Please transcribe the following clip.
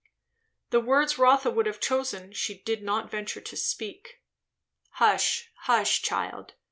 The words Rotha would have chosen she did not venture to speak. "Hush, hush, child!